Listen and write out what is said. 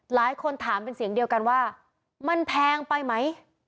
หลายคนถามเป็นเสียงเดียวกันว่ามันแพงไปไหม